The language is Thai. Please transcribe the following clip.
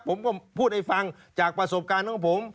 ผมก็พูดให้ฟังจากประสบการณ์ของผม